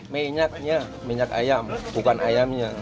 minyaknya minyak ayam bukan ayamnya